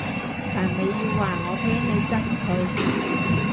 但你要話我聽你憎佢